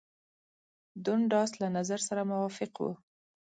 دونډاس له نظر سره موافق وو.